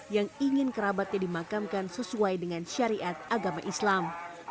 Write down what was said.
yang ingin kerabatnya dimakamkan sesuai dengan syariat agama islam